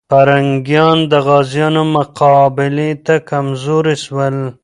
پرنګیان د غازيانو مقابلې ته کمزوري سول.